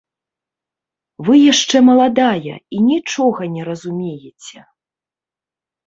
Вы яшчэ маладая і нічога не разумееце!